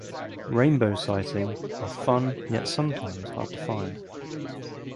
Rainbow sighting are fun yet sometimes hard to find.